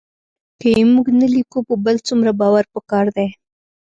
که یې موږ نه لیکو په بل څومره باور پکار دی